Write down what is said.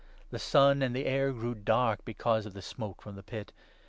The sun and the air grew dark because of the smoke from the pit.